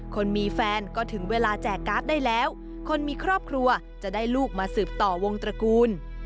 คนมีแฟนก็ถึงเวลาแจกการ์ดได้แล้วคนมีครอบครัวจะได้ลูกมาสืบต่อวงตระกูล